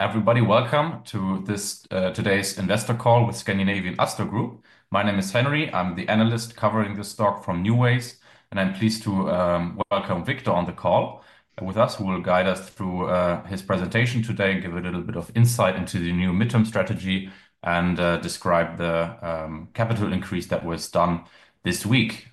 Everybody, welcome to today's investor call with Scandinavian Astor Group. My name is Henry. I'm the analyst covering the stock from NuWays, and I'm pleased to welcome Victor on the call with us, who will guide us through his presentation today, give a little bit of insight into the new midterm strategy, and describe the capital increase that was done this week.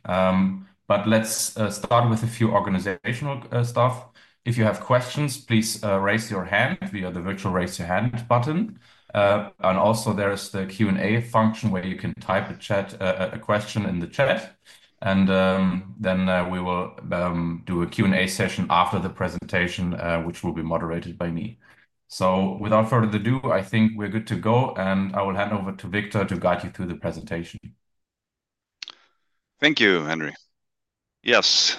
Let's start with a few organizational stuff. If you have questions, please raise your hand via the virtual raise your hand button. Also, there is the Q&A function where you can type a question in the chat. We will do a Q&A session after the presentation, which will be moderated by me. Without further ado, I think we're good to go, and I will hand over to Victor to guide you through the presentation. Thank you, Henry. Yes.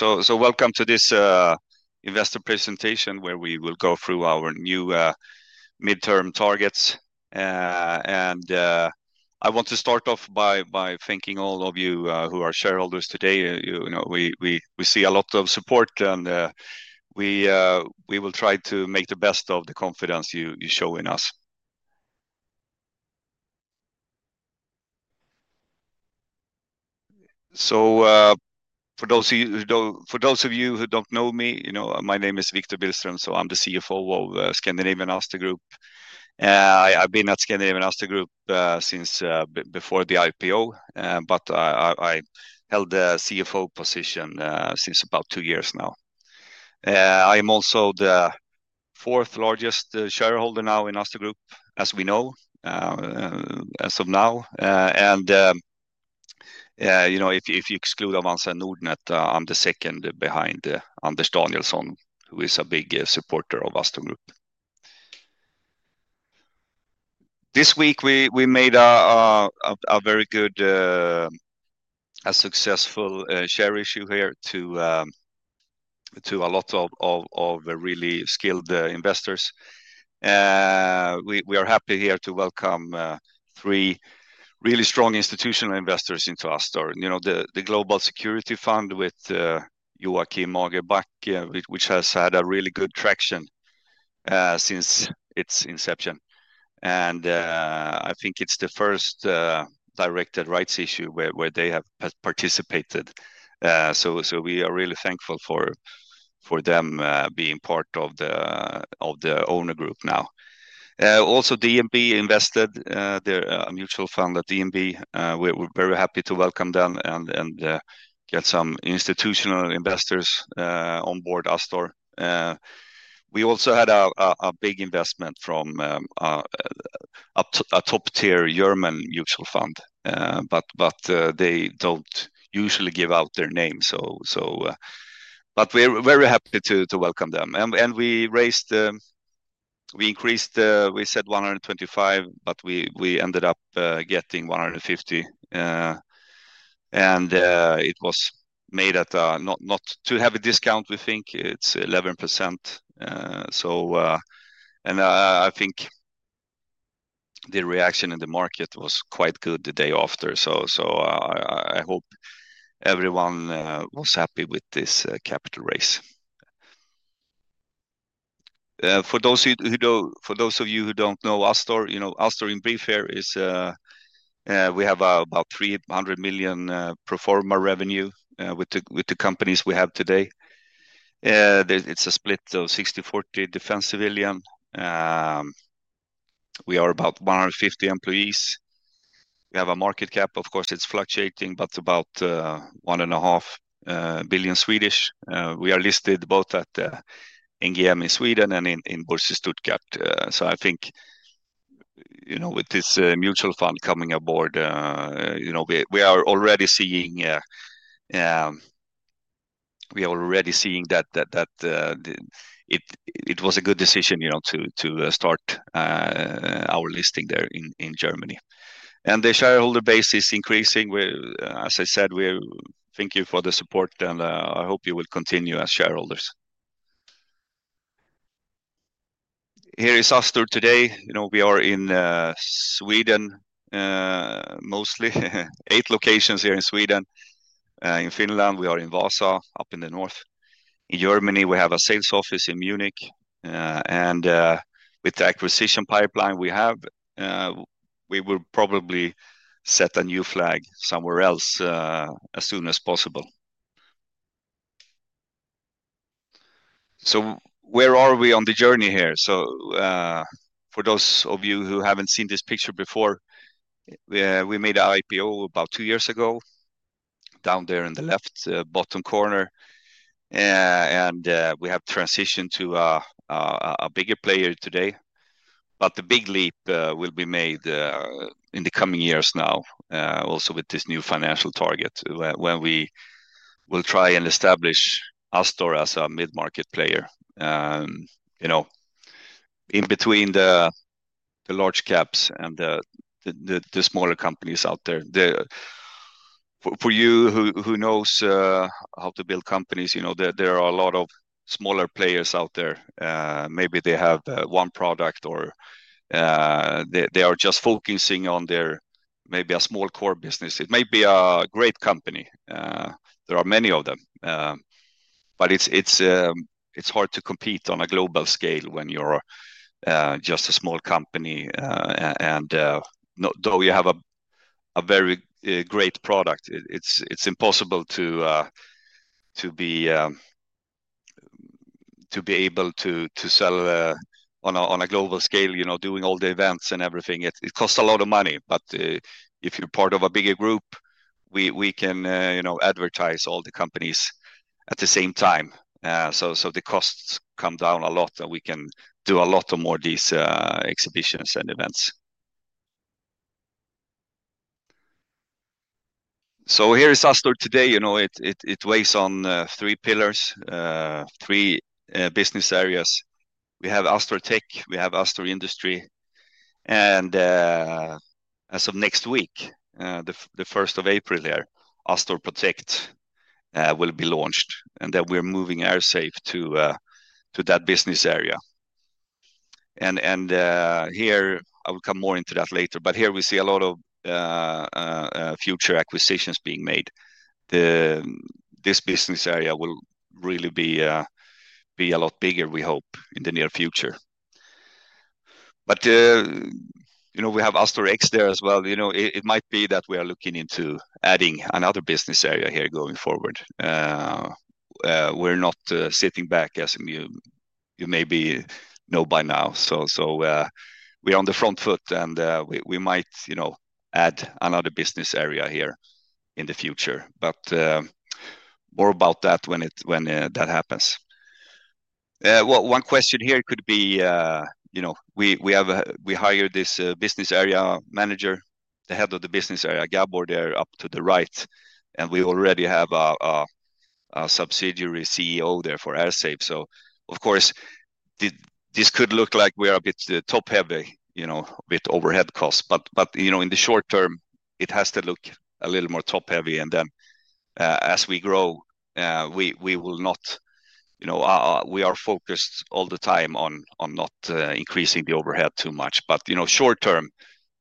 Welcome to this investor presentation where we will go through our new midterm targets. I want to start off by thanking all of you who are shareholders today. We see a lot of support, and we will try to make the best of the confidence you show in us. For those of you who do not know me, my name is Victor Billström, so I am the CFO of Scandinavian Astor Group. I have been at Scandinavian Astor Group since before the IPO, but I have held the CFO position since about two years now. I am also the fourth largest shareholder now in Astor Group, as we know as of now. If you exclude Avanza and Nordnet, I am the second behind Anders Danielsson, who is a big supporter of Astor Group. This week, we made a very good, a successful share issue here to a lot of really skilled investors. We are happy here to welcome three really strong institutional investors into Astor. The Global Security Fund with Joakim Mårtensson, which has had a really good traction since its inception. I think it's the first directed rights issue where they have participated. We are really thankful for them being part of the owner group now. Also, DNB invested, a mutual fund at DNB. We're very happy to welcome them and get some institutional investors on board Astor. We also had a big investment from a top-tier German mutual fund, but they do not usually give out their name. We are very happy to welcome them. We raised, we increased, we said 125 million, but we ended up getting 150 million. It was made at a not too heavy discount, we think. It's 11%. I think the reaction in the market was quite good the day after. I hope everyone was happy with this capital raise. For those of you who don't know Astor, Astor in brief here is we have about 300 million proforma revenue with the companies we have today. It's a split of 60-40 defense civilian. We are about 150 employees. We have a market cap, of course, it's fluctuating, but about 1.5 billion. We are listed both at NGM in Sweden and in Börse Stuttgart. I think with this mutual fund coming aboard, we are already seeing that it was a good decision to start our listing there in Germany. The shareholder base is increasing. As I said, we thank you for the support, and I hope you will continue as shareholders. Here is Astor today. We are in Sweden, mostly eight locations here in Sweden. In Finland, we are in Vaasa, up in the north. In Germany, we have a sales office in Munich. With the acquisition pipeline we have, we will probably set a new flag somewhere else as soon as possible. Where are we on the journey here? For those of you who haven't seen this picture before, we made an IPO about two years ago, down there in the left bottom corner. We have transitioned to a bigger player today. The big leap will be made in the coming years now, also with this new financial target, when we will try and establish Astor as a mid-market player in between the large caps and the smaller companies out there. For you who knows how to build companies, there are a lot of smaller players out there. Maybe they have one product or they are just focusing on their maybe a small core business. It may be a great company. There are many of them. It's hard to compete on a global scale when you're just a small company. Even though you have a very great product, it's impossible to be able to sell on a global scale, doing all the events and everything. It costs a lot of money. If you're part of a bigger group, we can advertise all the companies at the same time. The costs come down a lot, and we can do a lot more of these exhibitions and events. Here is Astor today. It weighs on three pillars, three business areas. We have Astor Tech, we have Astor Industry. As of next week, the 1st of April here, Astor Protect will be launched, and we are moving AirSafe to that business area. I will come more into that later. Here, we see a lot of future acquisitions being made. This business area will really be a lot bigger, we hope, in the near future. We have AstorX there as well. It might be that we are looking into adding another business area here going forward. We are not sitting back, as you maybe know by now. We are on the front foot, and we might add another business area here in the future. More about that when that happens. One question here could be, we hired this Business Area Manager, the Head of the Business Area, Gabor there, up to the right. We already have a subsidiary CEO there for AirSafe. Of course, this could look like we are a bit top-heavy, a bit overhead cost. In the short term, it has to look a little more top-heavy. As we grow, we will not, we are focused all the time on not increasing the overhead too much. Short term,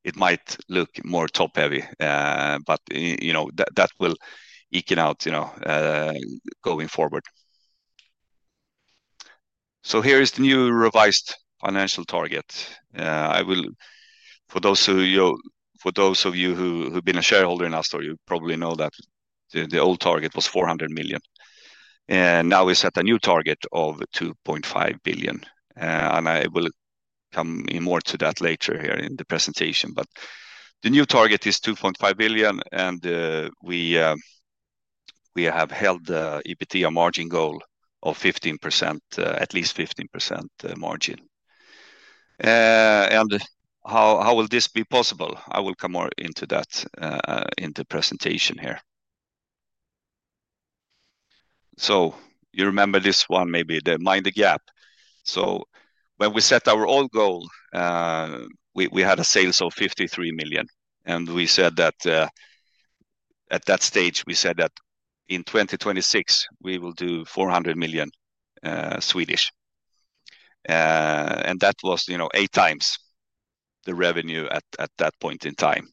it might look more top-heavy. That will eke it out going forward. Here is the new revised financial target. For those of you who have been a shareholder in Astor, you probably know that the old target was 400 million. Now we set a new target of 2.5 billion. I will come in more to that later here in the presentation. The new target is 2.5 billion, and we have held the EBITDA margin goal of 15%, at least 15% margin. How will this be possible? I will come more into that in the presentation here. You remember this one, maybe the mind the gap. When we set our old goal, we had a sales of 53 million. We said that at that stage, we said that in 2026, we will do 400 million. That was eight times the revenue at that point in time.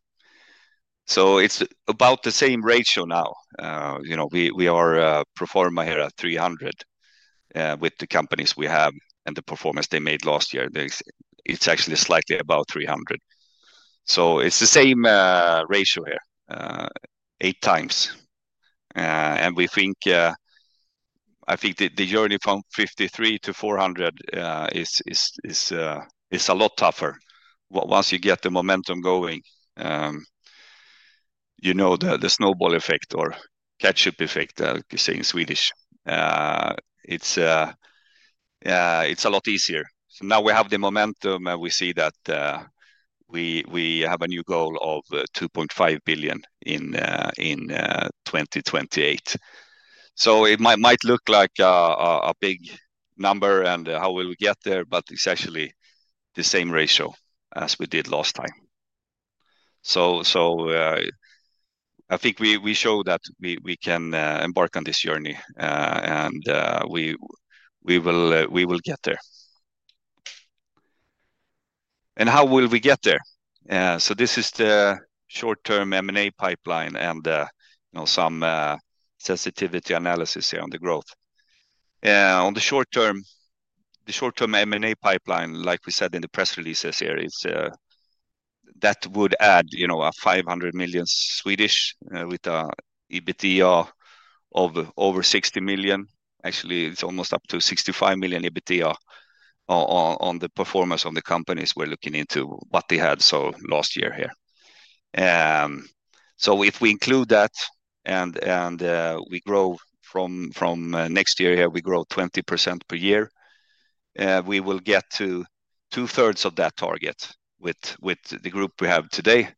It is about the same ratio now. We are proforma here at 300 million with the companies we have and the performance they made last year. It is actually slightly above 300 million. It is the same ratio here, eight times. I think the journey from 53 to 400 is a lot tougher. Once you get the momentum going, you know, the snowball effect or catch-up effect, say in Swedish. It's a lot easier. Now we have the momentum, and we see that we have a new goal of 2.5 billion in 2028. It might look like a big number, and how will we get there? It's actually the same ratio as we did last time. I think we show that we can embark on this journey, and we will get there. How will we get there? This is the short-term M&A pipeline and some sensitivity analysis here on the growth. On the short-term, the short-term M&A pipeline, like we said in the press releases here, that would add 500 million with an EBITDA of over 60 million. Actually, it's almost up to 65 million EBITDA on the performance of the companies we're looking into what they had last year here. If we include that and we grow from next year here, we grow 20% per year, we will get to two-thirds of that target with the group we have today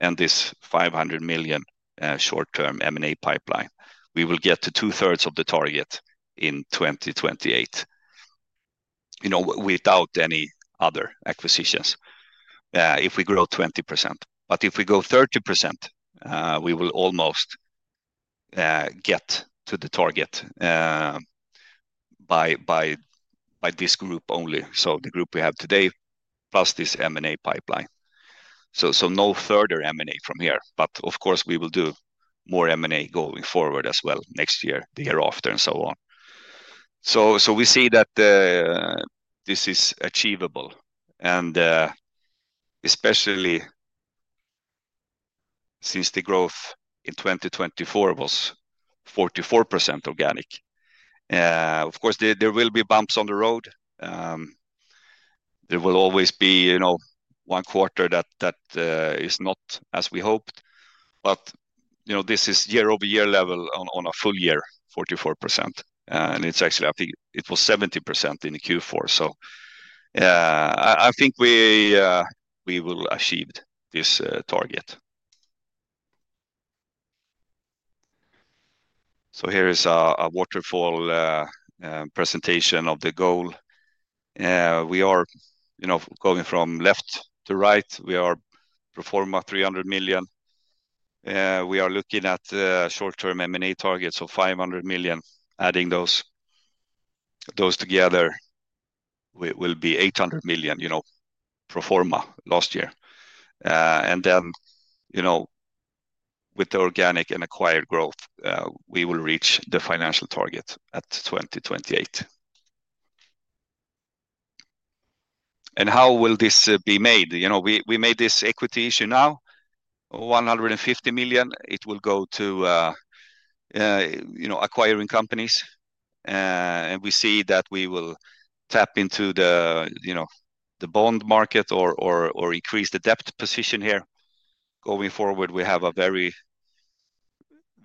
and this 500 million short-term M&A pipeline. We will get to two-thirds of the target in 2028 without any other acquisitions if we grow 20%. If we grow 30%, we will almost get to the target by this group only. The group we have today plus this M&A pipeline. No further M&A from here. Of course, we will do more M&A going forward as well next year, the year after, and so on. We see that this is achievable, and especially since the growth in 2024 was 44% organic. Of course, there will be bumps on the road. There will always be one quarter that is not as we hoped. This is year-over-year level on a full year, 44%. It is actually, I think it was 70% in Q4. I think we will achieve this target. Here is a waterfall presentation of the goal. We are going from left to right. We are proforma 300 million. We are looking at short-term M&A targets of 500 million. Adding those together, we will be 800 million proforma last year. With the organic and acquired growth, we will reach the financial target at 2028. How will this be made? We made this equity issue now, 150 million. It will go to acquiring companies. We see that we will tap into the bond market or increase the debt position here. Going forward, we have a very,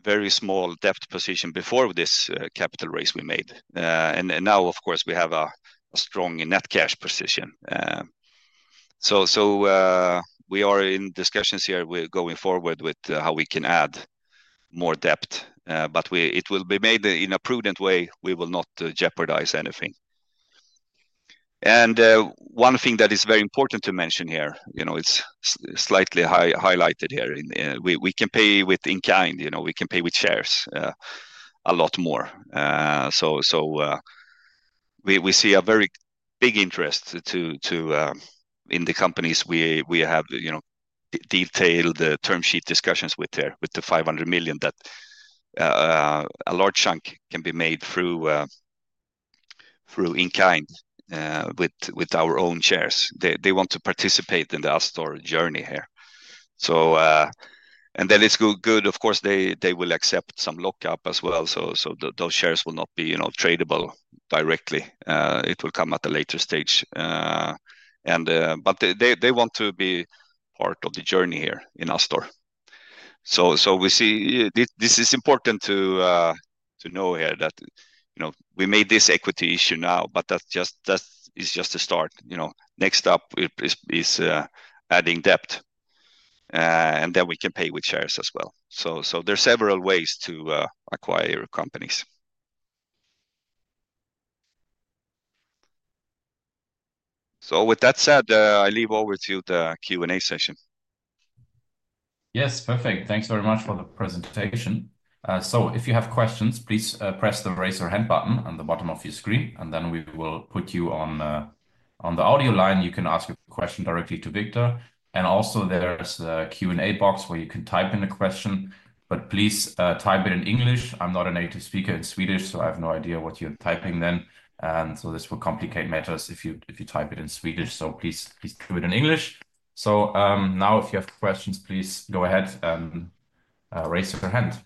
very small debt position before this capital raise we made. Now, of course, we have a strong net cash position. We are in discussions here going forward with how we can add more debt. It will be made in a prudent way. We will not jeopardize anything. One thing that is very important to mention here, it's slightly highlighted here. We can pay with in-kind. We can pay with shares a lot more. We see a very big interest in the companies we have detailed term sheet discussions with here with the 500 million that a large chunk can be made through in-kind with our own shares. They want to participate in the Astor journey here. It is good. Of course, they will accept some lockup as well. Those shares will not be tradable directly. It will come at a later stage. They want to be part of the journey here in Astor. We see this is important to know here that we made this equity issue now, but that is just the start. Next up is adding debt. We can pay with shares as well. There are several ways to acquire companies. With that said, I leave over to the Q&A session. Yes, perfect. Thanks very much for the presentation. If you have questions, please press the raise your hand button on the bottom of your screen, and then we will put you on the audio line. You can ask a question directly to Victor. Also, there is the Q&A box where you can type in a question. Please type it in English. I'm not a native speaker in Swedish, so I have no idea what you're typing then. This will complicate matters if you type it in Swedish. Please do it in English. If you have questions, please go ahead and raise your hand.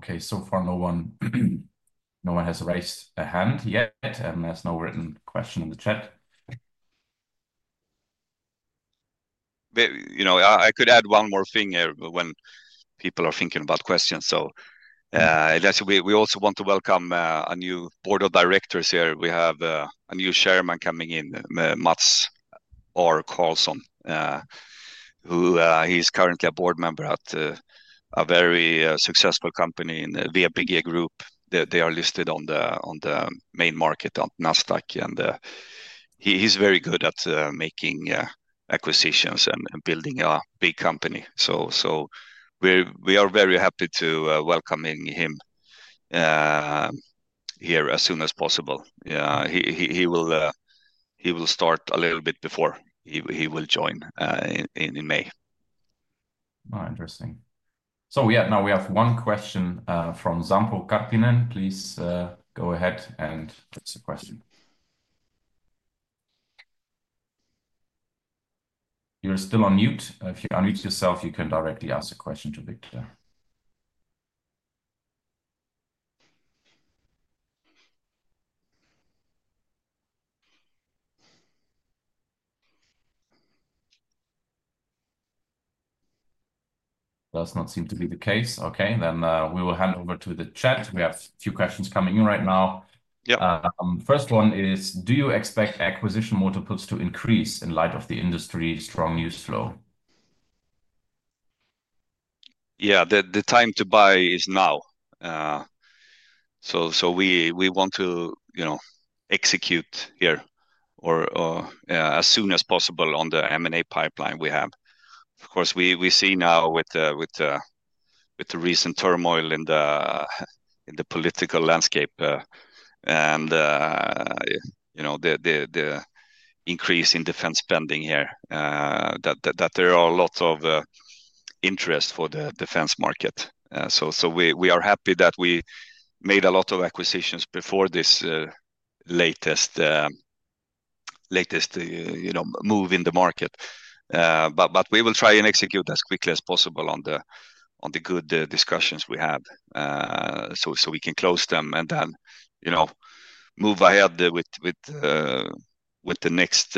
Okay, so far, no one has raised a hand yet and there is no written question in the chat. I could add one more thing here when people are thinking about questions. We also want to welcome a new board of directors here. We have a new chairman coming in, Mats Örn Karlsson, who is currently a board member at a very successful company in the VBG Group. They are listed on the main market on NASDAQ. He is very good at making acquisitions and building a big company. We are very happy to welcome him here as soon as possible. He will start a little bit before he will join in May. Interesting. Yeah, now we have one question from Sampo Kärkinen. Please go ahead and ask your question. You're still on mute. If you unmute yourself, you can directly ask a question to Victor. Does not seem to be the case. Okay, we will hand over to the chat. We have a few questions coming in right now. First one is, do you expect acquisition multiples to increase in light of the industry's strong news flow? Yeah, the time to buy is now. We want to execute here as soon as possible on the M&A pipeline we have. Of course, we see now with the recent turmoil in the political landscape and the increase in defense spending here that there is a lot of interest for the defense market. We are happy that we made a lot of acquisitions before this latest move in the market. We will try and execute as quickly as possible on the good discussions we have so we can close them and then move ahead with the next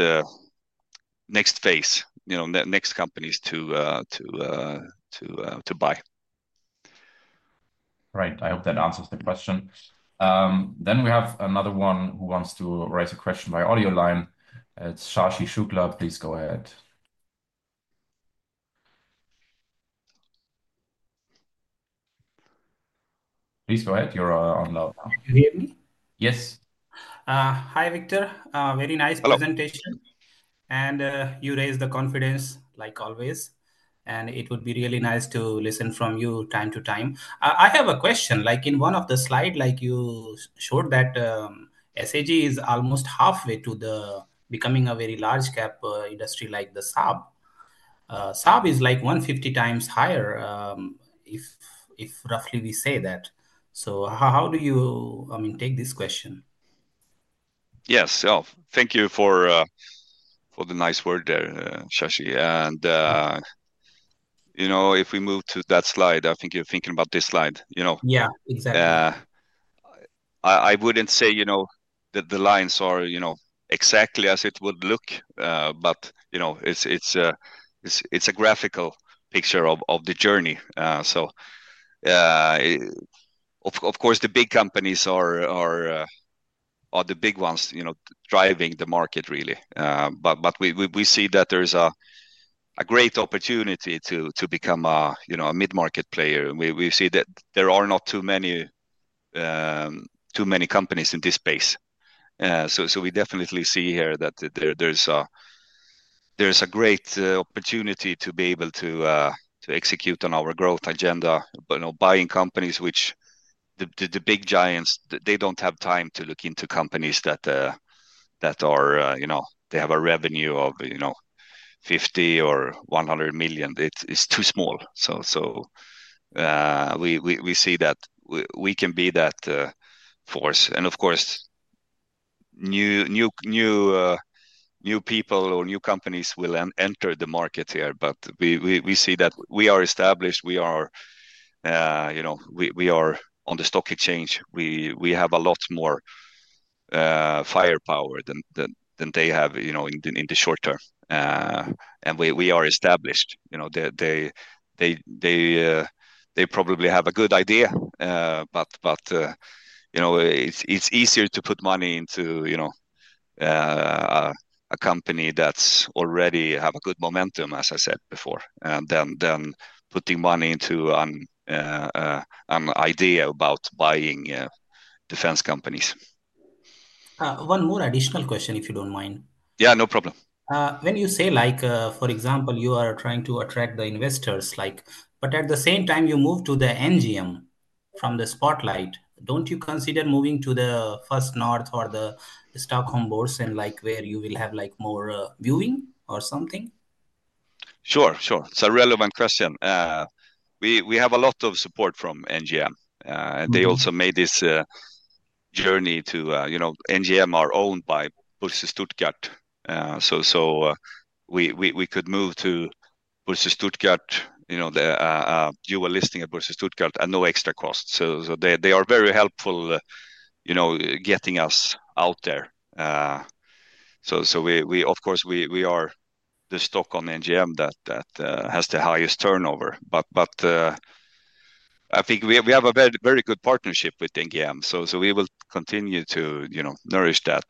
phase, the next companies to buy. Great. I hope that answers the question. We have another one who wants to raise a question by audio line. It's Shashi Shukla. Please go ahead. You're on loud. Can you hear me? Yes. Hi, Victor. Very nice presentation. You raised the confidence like always. It would be really nice to listen from you time to time. I have a question. Like in one of the slides, you showed that SAG is almost halfway to becoming a very large cap industry like SAAB. SAAB is like 150 times higher if roughly we say that. How do you take this question? Yes. Thank you for the nice word there, Shashi. If we move to that slide, I think you're thinking about this slide. Yeah, exactly. I wouldn't say that the lines are exactly as it would look, but it's a graphical picture of the journey. Of course, the big companies are the big ones driving the market, really. We see that there's a great opportunity to become a mid-market player. We see that there are not too many companies in this space. We definitely see here that there's a great opportunity to be able to execute on our growth agenda, buying companies which the big giants, they don't have time to look into companies that have a revenue of 50 million or 100 million. It's too small. We see that we can be that force. Of course, new people or new companies will enter the market here. We see that we are established. We are on the stock exchange. We have a lot more firepower than they have in the short term. We are established. They probably have a good idea, but it's easier to put money into a company that already has good momentum, as I said before, than putting money into an idea about buying defense companies. One more additional question, if you don't mind. Yeah, no problem. When you say, for example, you are trying to attract the investors, but at the same time, you move to the NGM from the Spotlight, do not you consider moving to the First North or the Stockholm Börsen where you will have more viewing or something? Sure, sure. It's a relevant question. We have a lot of support from NGM. They also made this journey to NGM, are owned by Börse Stuttgart. We could move to Börse Stuttgart, do a listing at Börse Stuttgart at no extra cost. They are very helpful getting us out there. Of course, we are the Stockholm NGM that has the highest turnover. I think we have a very good partnership with NGM. We will continue to nourish that.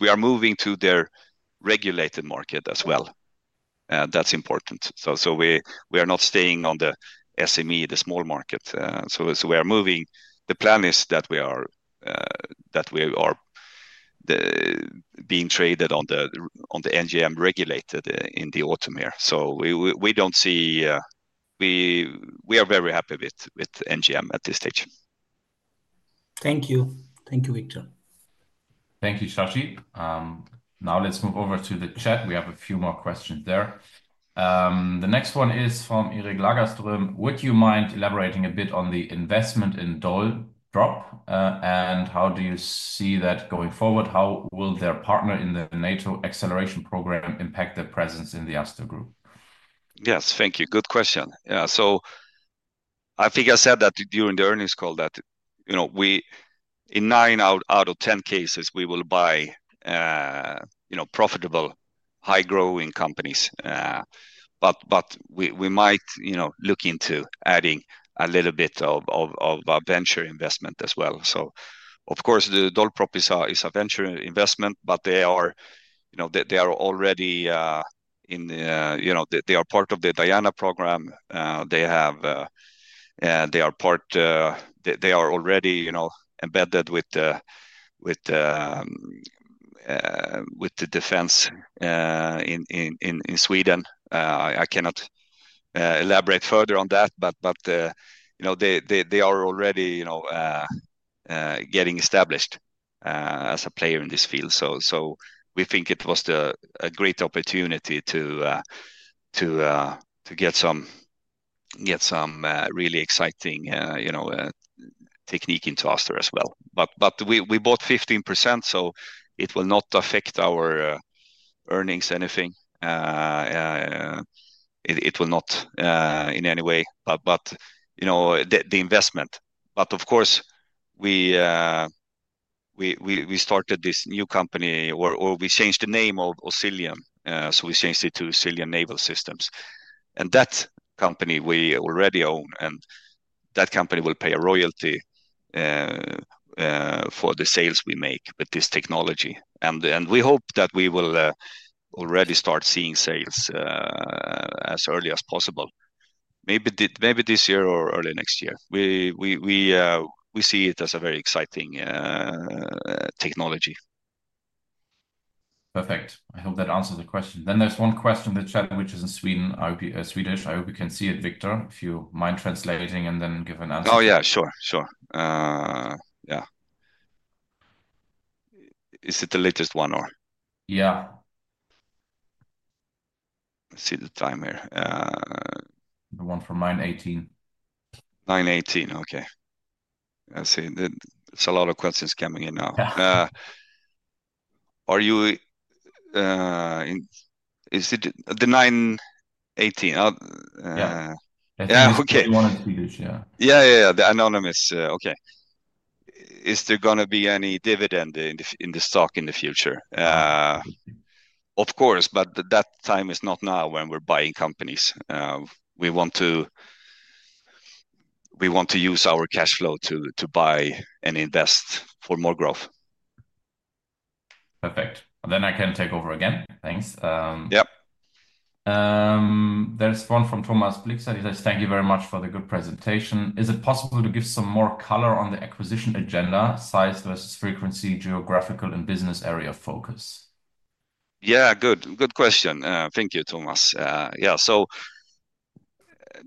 We are moving to their regulated market as well. That's important. We are not staying on the SME, the small market. We are moving. The plan is that we are being traded on the NGM regulated in the autumn here. We are very happy with NGM at this stage. Thank you. Thank you, Victor. Thank you, Shashi. Now, let's move over to the chat. We have a few more questions there. The next one is from Erik Lagerström. Would you mind elaborating a bit on the investment in DoldRob and how do you see that going forward? How will their partner in the NATO acceleration program impact their presence in the Astor Group? Yes, thank you. Good question. I think I said that during the earnings call that in 9 out of 10 cases, we will buy profitable, high-growing companies. We might look into adding a little bit of a venture investment as well. Of course, the DoldRob is a venture investment, but they are already in, they are part of the Diana program. They are already embedded with the defense in Sweden. I cannot elaborate further on that, but they are already getting established as a player in this field. We think it was a great opportunity to get some really exciting technique into Astor as well. We bought 15%, so it will not affect our earnings anything. It will not in any way. The investment. Of course, we started this new company or we changed the name of Auxilium. We changed it to Auxilium Naval Systems. That company we already own, and that company will pay a royalty for the sales we make with this technology. We hope that we will already start seeing sales as early as possible, maybe this year or early next year. We see it as a very exciting technology. Perfect. I hope that answers the question. There is one question in the chat, which is in Swedish. I hope you can see it, Victor, if you mind translating and then give an answer. Oh, yeah, sure, sure. Yeah. Is it the latest one or? Yeah. Let's see the time here. The one from September 18. 9/18, okay. I see. There's a lot of questions coming in now. Is it the 9/18? Yeah. Yeah. Yeah, we wanted to be this, yeah. Yeah, yeah, yeah, the anonymous. Okay. Is there going to be any dividend in the stock in the future? Of course, but that time is not now when we're buying companies. We want to use our cash flow to buy and invest for more growth. Perfect. I can take over again. Thanks. Yeah. There's one from Thomas Blixet. He says, "Thank you very much for the good presentation. Is it possible to give some more color on the acquisition agenda, size versus frequency, geographical, and business area focus? Yeah, good. Good question. Thank you, Thomas. Yeah.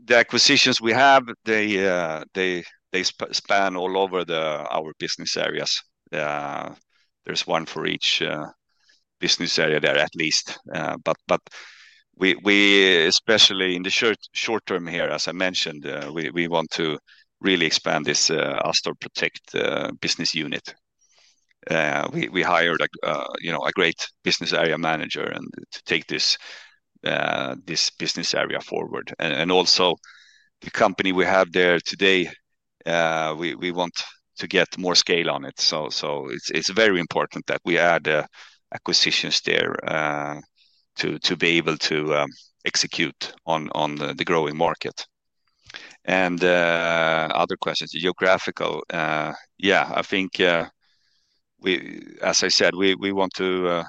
The acquisitions we have, they span all over our business areas. There is one for each business area there at least. We, especially in the short term here, as I mentioned, we want to really expand this Astor Protect business unit. We hired a great business area manager to take this business area forward. Also, the company we have there today, we want to get more scale on it. It is very important that we add acquisitions there to be able to execute on the growing market. Other questions, geographical. I think, as I said, we want to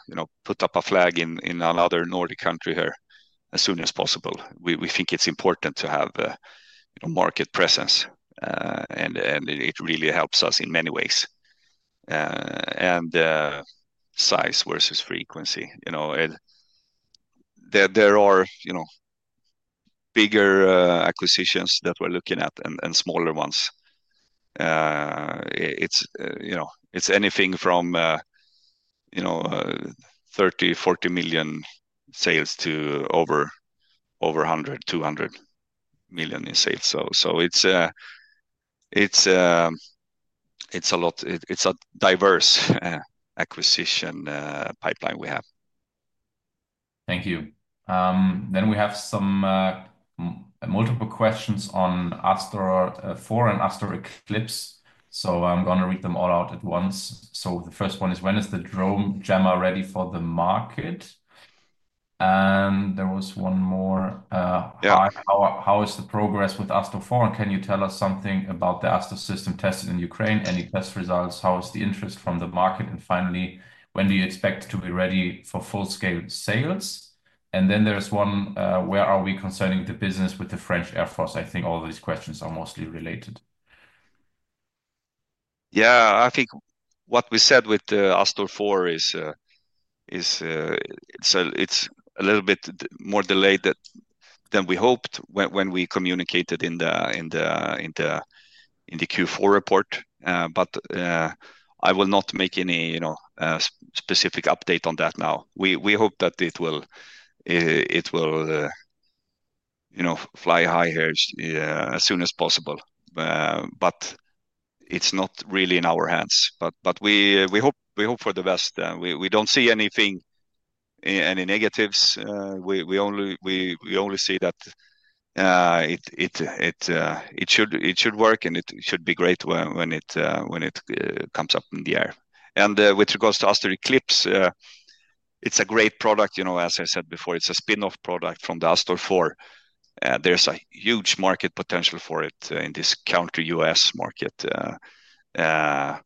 put up a flag in another Nordic country here as soon as possible. We think it is important to have market presence, and it really helps us in many ways. Size versus frequency. There are bigger acquisitions that we're looking at and smaller ones. It's anything from 30 million-40 million sales to over 100 million-200 million in sales. It's a diverse acquisition pipeline we have. Thank you. We have some multiple questions on Astor 4 and Astor Eclipse. I'm going to read them all out at once. The first one is, when is the drone jammer ready for the market? There was one more. How is the progress with Astor 4? Can you tell us something about the Astor system tested in Ukraine? Any test results? How is the interest from the market? Finally, when do you expect to be ready for full-scale sales? There is one more, where are we concerning the business with the French Air Force? I think all of these questions are mostly related. Yeah, I think what we said with Astor 4 is it's a little bit more delayed than we hoped when we communicated in the Q4 report. I will not make any specific update on that now. We hope that it will fly high here as soon as possible. It is not really in our hands. We hope for the best. We do not see anything, any negatives. We only see that it should work, and it should be great when it comes up in the air. With regards to Astor Eclipse, it's a great product. As I said before, it's a spinoff product from the Astor 4. There is a huge market potential for it in this U.S. market. I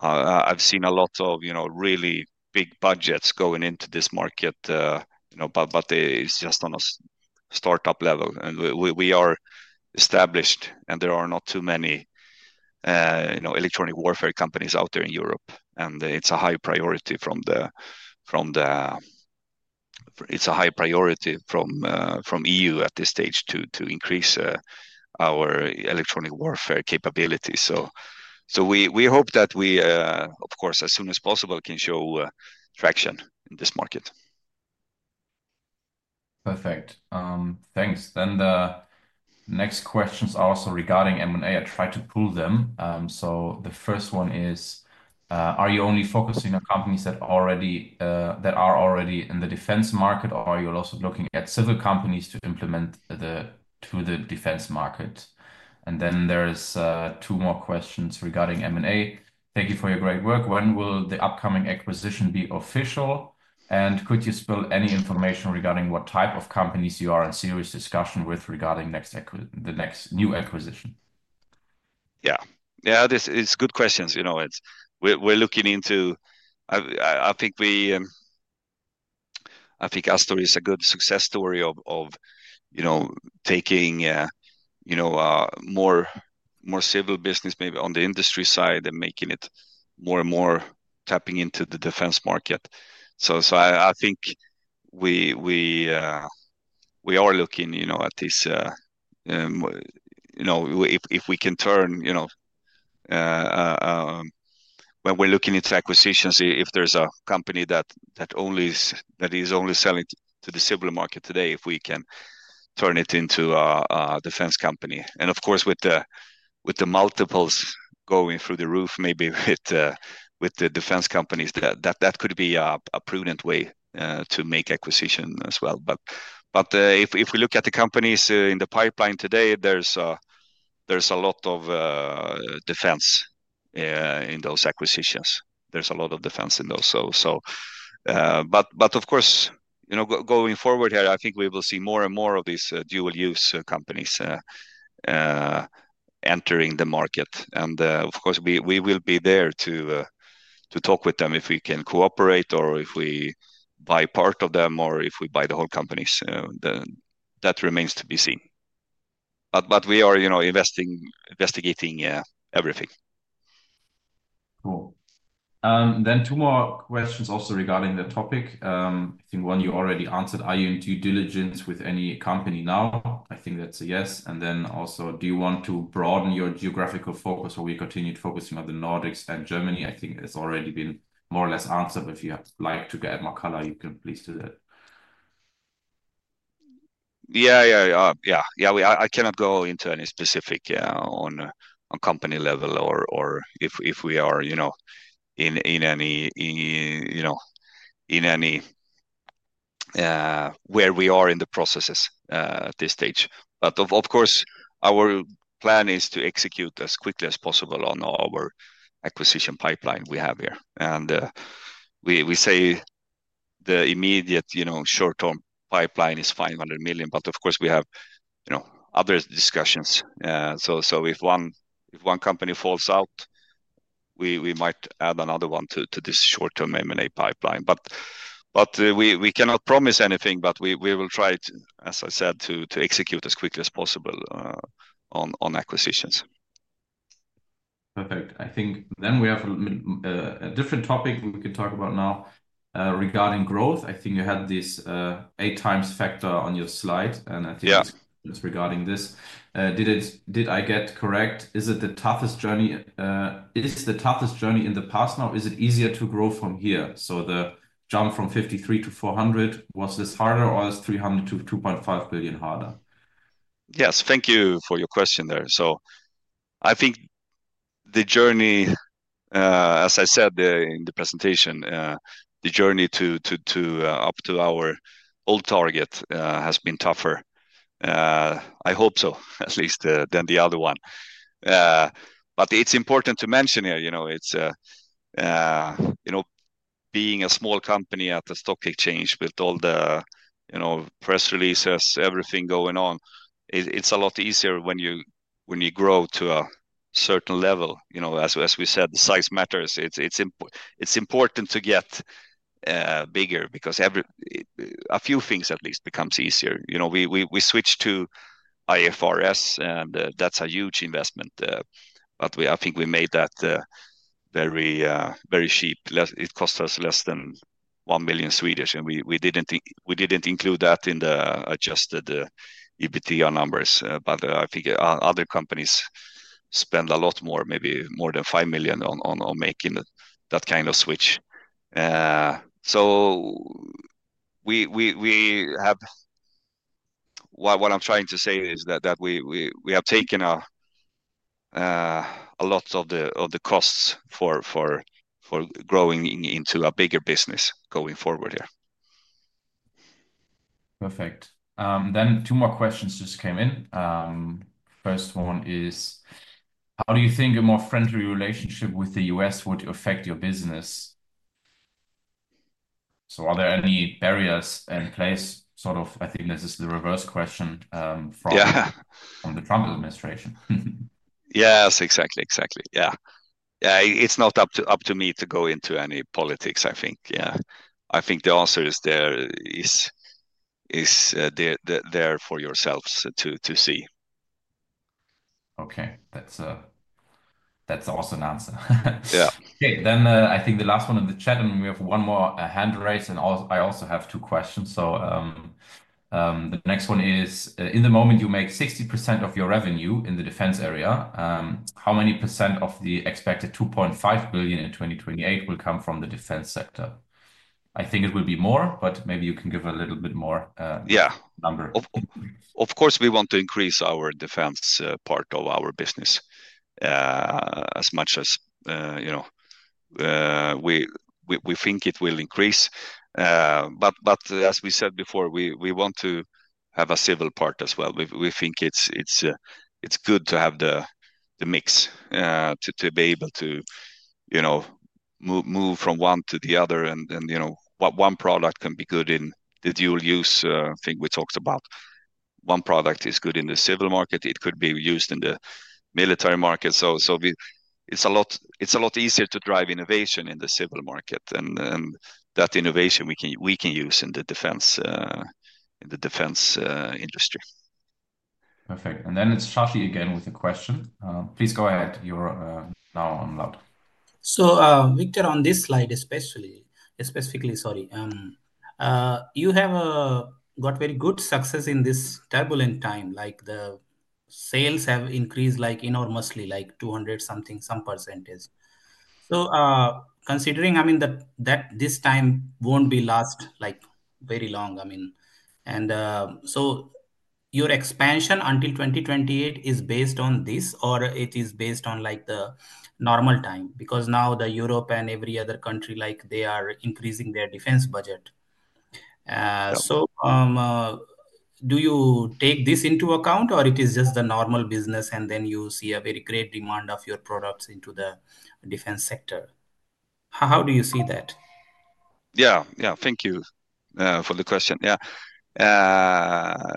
have seen a lot of really big budgets going into this market, but it's just on a startup level. We are established, and there are not too many electronic warfare companies out there in Europe. It is a high priority from the EU at this stage to increase our electronic warfare capabilities. We hope that we, of course, as soon as possible can show traction in this market. Perfect. Thanks. The next questions are also regarding M&A. I tried to pull them. The first one is, are you only focusing on companies that are already in the defense market, or are you also looking at civil companies to implement to the defense market? There are two more questions regarding M&A. Thank you for your great work. When will the upcoming acquisition be official? Could you spill any information regarding what type of companies you are in serious discussion with regarding the next new acquisition? Yeah. Yeah, these are good questions. We're looking into, I think Astor is a good success story of taking more civil business maybe on the industry side and making it more and more tapping into the defense market. I think we are looking at this. If we can turn, when we're looking at acquisitions, if there's a company that is only selling to the civil market today, if we can turn it into a defense company. Of course, with the multiples going through the roof, maybe with the defense companies, that could be a prudent way to make acquisition as well. If we look at the companies in the pipeline today, there's a lot of defense in those acquisitions. There's a lot of defense in those. Of course, going forward here, I think we will see more and more of these dual-use companies entering the market. Of course, we will be there to talk with them if we can cooperate or if we buy part of them or if we buy the whole companies. That remains to be seen. We are investigating everything. Cool. Two more questions also regarding the topic. I think one you already answered. Are you in due diligence with any company now? I think that's a yes. Also, do you want to broaden your geographical focus or will you continue focusing on the Nordics and Germany? I think it's already been more or less answered. If you'd like to get more color, you can please do that. Yeah, yeah. I cannot go into any specific on company level or if we are in any where we are in the processes at this stage. Of course, our plan is to execute as quickly as possible on our acquisition pipeline we have here. We say the immediate short-term pipeline is 500 million. Of course, we have other discussions. If one company falls out, we might add another one to this short-term M&A pipeline. We cannot promise anything, but we will try, as I said, to execute as quickly as possible on acquisitions. Perfect. I think then we have a different topic we can talk about now regarding growth. I think you had this eight times factor on your slide, and I think it's regarding this. Did I get correct? Is it the toughest journey in the past now? Is it easier to grow from here? The jump from 53 to 400, was this harder or is 300 to 2.5 billion harder? Yes, thank you for your question there. I think the journey, as I said in the presentation, the journey up to our old target has been tougher. I hope so, at least than the other one. It's important to mention here, being a small company at the stock exchange with all the press releases, everything going on, it's a lot easier when you grow to a certain level. As we said, the size matters. It's important to get bigger because a few things at least become easier. We switched to IFRS, and that's a huge investment. I think we made that very cheap. It cost us less than 1 million. We didn't include that in the adjusted EBITDA numbers. I think other companies spend a lot more, maybe more than 5 million on making that kind of switch. What I'm trying to say is that we have taken a lot of the costs for growing into a bigger business going forward here. Perfect. Two more questions just came in. First one is, how do you think a more friendly relationship with the U.S. would affect your business? Are there any barriers in place? I think this is the reverse question from the Trump administration. Yeah, exactly, exactly. Yeah. Yeah, it's not up to me to go into any politics, I think. Yeah. I think the answer is there for yourselves to see. Okay. That's an awesome answer. Yeah. Okay. I think the last one in the chat, and we have one more hand raised. I also have two questions. The next one is, in the moment you make 60% of your revenue in the defense area, how many % of the expected 2.5 billion in 2028 will come from the defense sector? I think it will be more, but maybe you can give a little bit more number. Yeah. Of course, we want to increase our defense part of our business as much as we think it will increase. As we said before, we want to have a civil part as well. We think it's good to have the mix to be able to move from one to the other. One product can be good in the dual-use thing we talked about. One product is good in the civil market. It could be used in the military market. It's a lot easier to drive innovation in the civil market. That innovation we can use in the defense industry. Perfect. It is Charlie again with a question. Please go ahead. You are now on loud. Victor, on this slide especially, specifically, sorry, you have got very good success in this turbulent time. The sales have increased enormously, like 200 something, some percentage. Considering, I mean, that this time will not last very long. I mean, your expansion until 2028 is based on this, or it is based on the normal time? Because now Europe and every other country, they are increasing their defense budget. Do you take this into account, or is it just the normal business, and then you see a very great demand of your products into the defense sector? How do you see that? Yeah, yeah. Thank you for the question. Yeah. I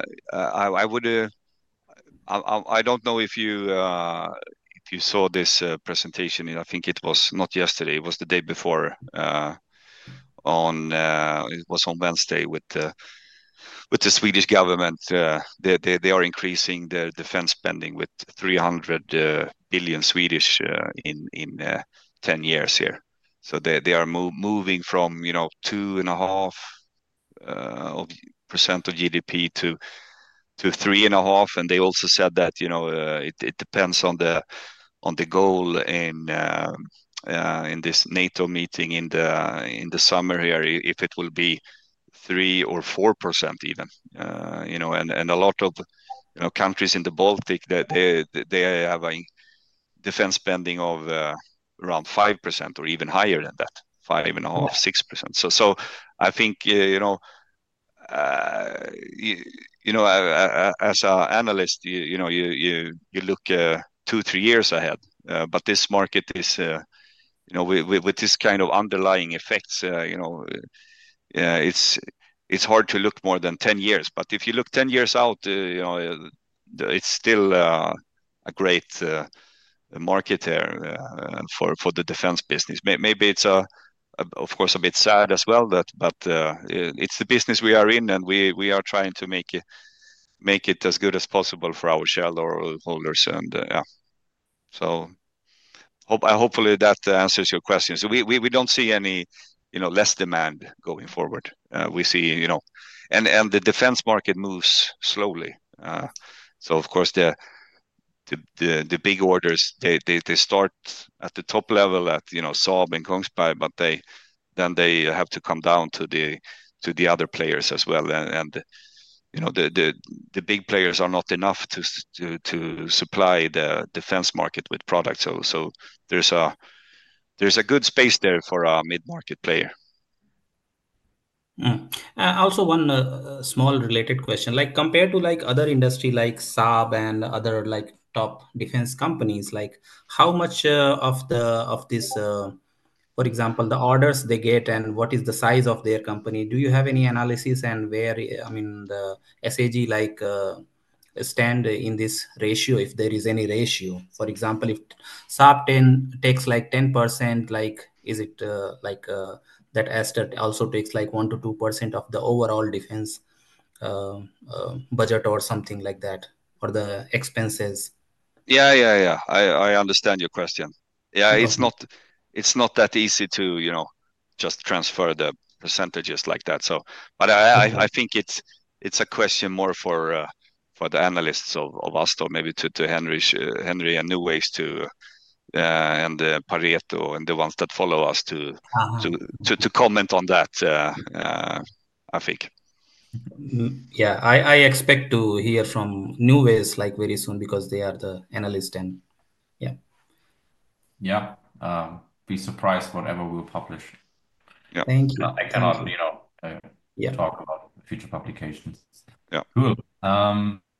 don't know if you saw this presentation. I think it was not yesterday. It was the day before. It was on Wednesday with the Swedish government. They are increasing their defense spending with 300 billion in 10 years here. They are moving from 2.5% of GDP to 3.5%. They also said that it depends on the goal in this NATO meeting in the summer here, if it will be 3% or 4% even. A lot of countries in the Baltic, they have a defense spending of around 5% or even higher than that, 5.5%, 6%. I think as an analyst, you look two, three years ahead. This market, with this kind of underlying effects, it's hard to look more than 10 years. If you look 10 years out, it's still a great market here for the defense business. Maybe it's, of course, a bit sad as well, but it's the business we are in, and we are trying to make it as good as possible for our shareholders. Yeah. Hopefully, that answers your question. We don't see any less demand going forward. We see, and the defense market moves slowly. Of course, the big orders, they start at the top level at SAAB and Kongsberg, but then they have to come down to the other players as well. The big players are not enough to supply the defense market with products. There's a good space there for a mid-market player. Also, one small related question. Compared to other industries like SAAB and other top defense companies, how much of this, for example, the orders they get, and what is the size of their company? Do you have any analysis and where, I mean, the SAG stand in this ratio, if there is any ratio? For example, if SAAB takes like 10%, is it that Astor also takes like 1-2% of the overall defense budget or something like that for the expenses? Yeah, yeah, yeah. I understand your question. It's not that easy to just transfer the percentages like that. I think it's a question more for the analysts of Astor, maybe to Henry and NuWays and Pareto and the ones that follow us to comment on that, I think. Yeah. I expect to hear from NuWays very soon because they are the analyst. Yeah. Yeah. Be surprised whatever we'll publish. Thank you.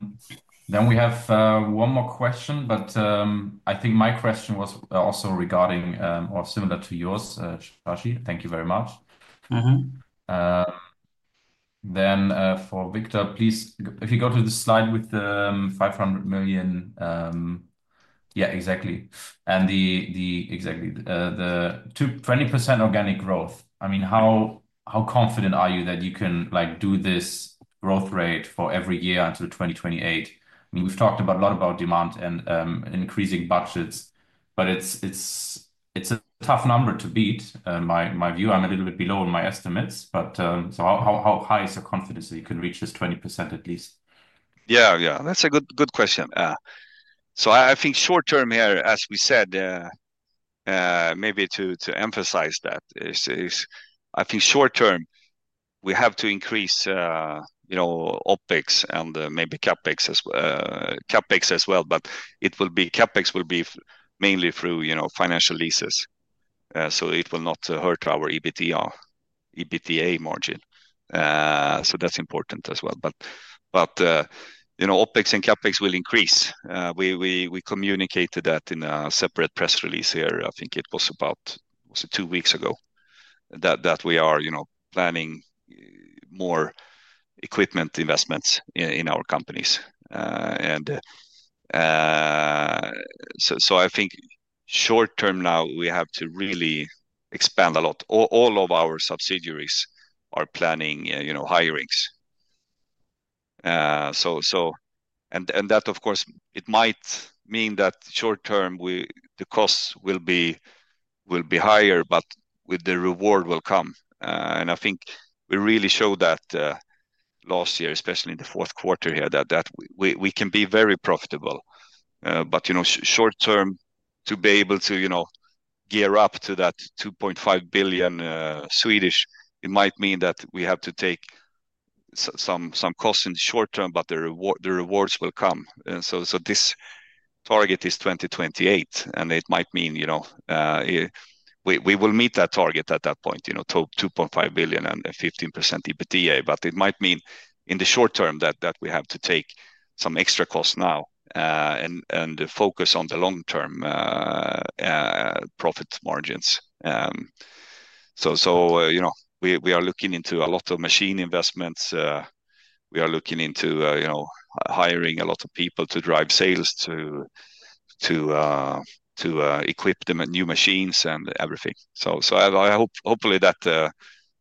I cannot talk about future publications. Yeah. Cool. We have one more question, but I think my question was also regarding or similar to yours, Charlie. Thank you very much. For Victor, please, if you go to the slide with the 500 million. Yeah, exactly. And the 20% organic growth. I mean, how confident are you that you can do this growth rate for every year until 2028? I mean, we've talked a lot about demand and increasing budgets, but it's a tough number to beat. In my view, I'm a little bit below my estimates. How high is your confidence that you can reach this 20% at least? Yeah, yeah. That's a good question. I think short-term here, as we said, maybe to emphasize that, I think short-term, we have to increase OPEX and maybe CAPEX as well. It will be CAPEX will be mainly through financial leases. It will not hurt our EBITDA margin. That's important as well. OPEX and CAPEX will increase. We communicated that in a separate press release here. I think it was about two weeks ago that we are planning more equipment investments in our companies. I think short-term now, we have to really expand a lot. All of our subsidiaries are planning hirings. That, of course, it might mean that short-term, the costs will be higher, but the reward will come. I think we really showed that last year, especially in the fourth quarter here, that we can be very profitable. Short-term, to be able to gear up to that 2.5 billion, it might mean that we have to take some costs in the short-term, but the rewards will come. This target is 2028, and it might mean we will meet that target at that point, 2.5 billion and 15% EBITDA. It might mean in the short-term that we have to take some extra costs now and focus on the long-term profit margins. We are looking into a lot of machine investments. We are looking into hiring a lot of people to drive sales, to equip them with new machines and everything. I hopefully that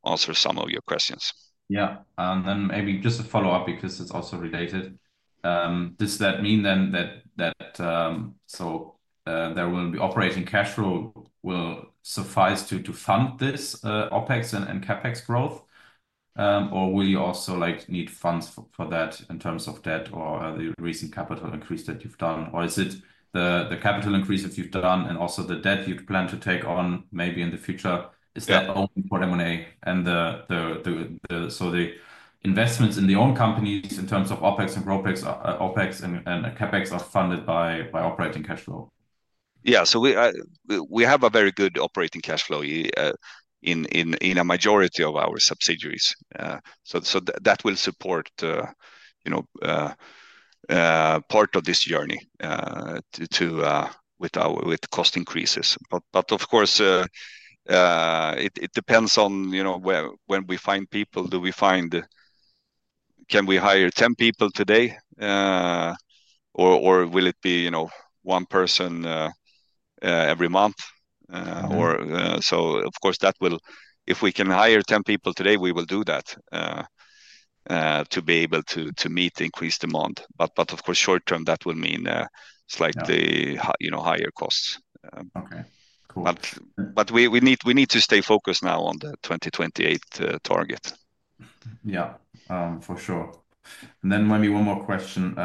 answers some of your questions. Yeah. Maybe just to follow up because it's also related. Does that mean then that operating cash flow will suffice to fund this OPEX and CAPEX growth? Or will you also need funds for that in terms of debt or the recent capital increase that you've done? Is it the capital increase that you've done and also the debt you plan to take on maybe in the future? Is that all for M&A? The investments in the own companies in terms of OPEX and CAPEX are funded by operating cash flow? Yeah. We have a very good operating cash flow in a majority of our subsidiaries. That will support part of this journey with cost increases. Of course, it depends on when we find people. Do we find, can we hire 10 people today, or will it be one person every month? Of course, if we can hire 10 people today, we will do that to be able to meet increased demand. Of course, short-term, that will mean it's like the higher costs. Okay. Cool. We need to stay focused now on the 2028 target. Yeah, for sure. Maybe one more question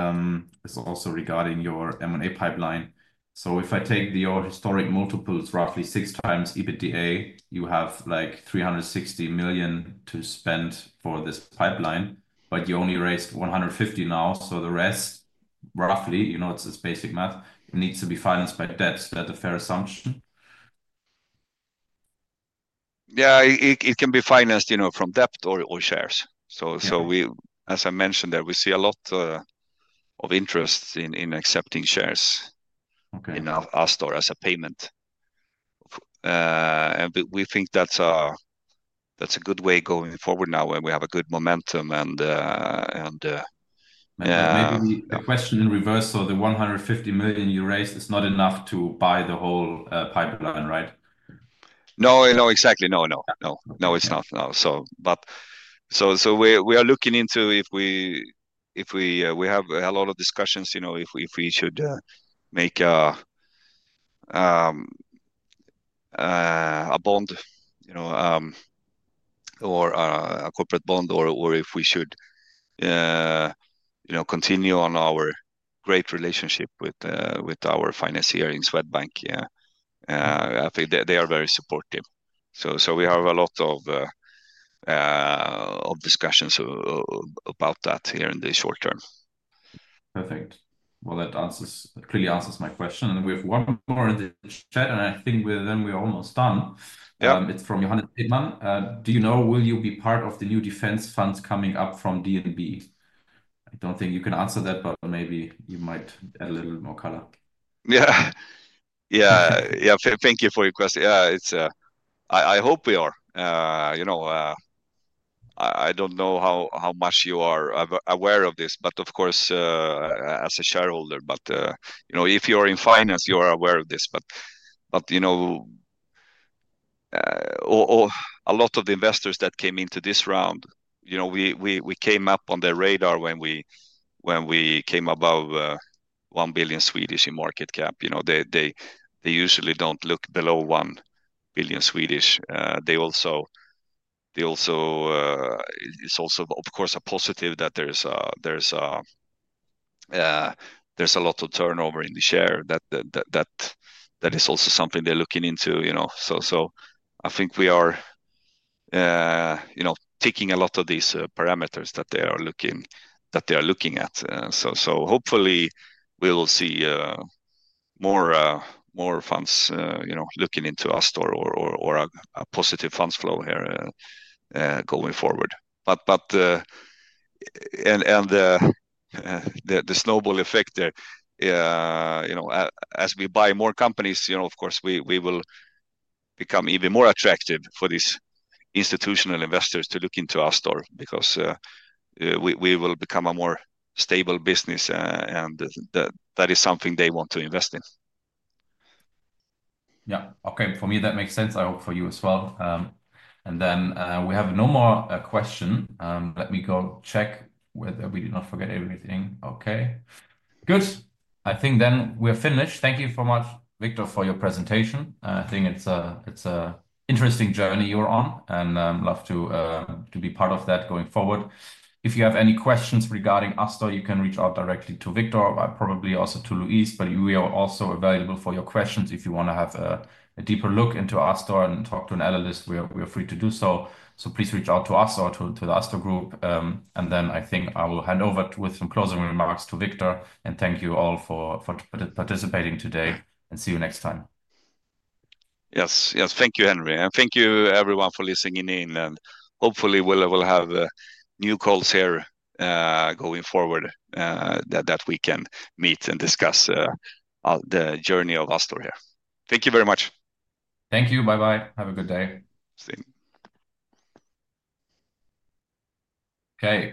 is also regarding your M&A pipeline. If I take your historic multiples, roughly six times EBITDA, you have like 360 million to spend for this pipeline, but you only raised 150 million now. The rest, roughly, it's basic math, needs to be financed by debt. Is that a fair assumption? Yeah, it can be financed from debt or shares. As I mentioned there, we see a lot of interest in accepting shares in Astor as a payment. We think that's a good way going forward now when we have a good momentum. Maybe a question in reverse. The 150 million you raised is not enough to buy the whole pipeline, right? No, no, exactly. No, no, no. No, it's not. We are looking into if we have a lot of discussions if we should make a bond or a corporate bond or if we should continue on our great relationship with our financier in Swedbank. I think they are very supportive. We have a lot of discussions about that here in the short term. Perfect. That really answers my question. We have one more in the chat, and I think then we're almost done. It's from Johannes Eydman. Do you know, will you be part of the new defense funds coming up from DNB? I don't think you can answer that, but maybe you might add a little more color. Yeah. Yeah. Yeah. Thank you for your question. Yeah. I hope we are. I do not know how much you are aware of this, but of course, as a shareholder, but if you are in finance, you are aware of this. A lot of the investors that came into this round, we came up on their radar when we came above 1 billion in market cap. They usually do not look below 1 billion. It is also, of course, a positive that there is a lot of turnover in the share. That is also something they are looking into. I think we are taking a lot of these parameters that they are looking at. Hopefully, we will see more funds looking into Astor or a positive funds flow here going forward. The snowball effect there, as we buy more companies, of course, we will become even more attractive for these institutional investors to look into Astor because we will become a more stable business, and that is something they want to invest in. Yeah. Okay. For me, that makes sense. I hope for you as well. And then we have no more questions. Let me go check whether we did not forget everything. Okay. Good. I think then we're finished. Thank you so much, Victor, for your presentation. I think it's an interesting journey you're on, and I'd love to be part of that going forward. If you have any questions regarding Astor, you can reach out directly to Victor, probably also to Louise, but we are also available for your questions. If you want to have a deeper look into Astor and talk to an analyst, we are free to do so. Please reach out to Astor, to the Astor Group. I think I will hand over with some closing remarks to Victor, and thank you all for participating today, and see you next time. Yes. Yes. Thank you, Henry. Thank you, everyone, for listening in. Hopefully, we'll have new calls here going forward that we can meet and discuss the journey of Astor here. Thank you very much. Thank you. Bye-bye. Have a good day. Same. Okay.